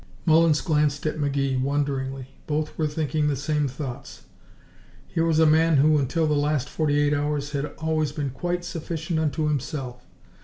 Mullins glanced at McGee, wonderingly. Both were thinking the same thoughts. Here was a man, who, until the last forty eight hours, had always been quite sufficient unto himself.